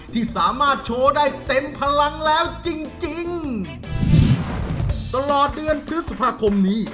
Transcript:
ที่สามารถโชว์ได้เต็มพลังแล้วจริงจริงตลอดเดือนพฤษภาคมนี้